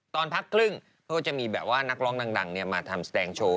ตอนพักครึ่งเขาก็จะมีแบบว่านักร้องดังมาทำแสดงโชว์